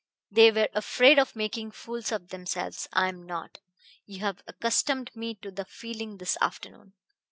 They were afraid of making fools of themselves. I am not. You have accustomed me to the feeling this afternoon."